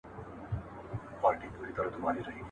«پزه او غوږونه» يې ور پرې کولای سوای